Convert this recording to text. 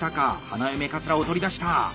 花嫁かつらを取り出した。